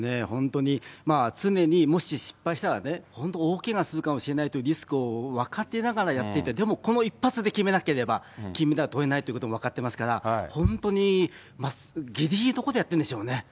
本当に、常にもし失敗したら、本当、大けがするかもしれないというリスクを分かっていながらやっていて、でもこの１発で決めなければ、金メダルとれないということも分かってますから、本当にぎりぎりのところでやってるんでしょうね。